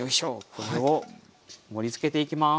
これを盛りつけていきます。